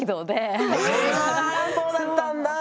あそうだったんだ。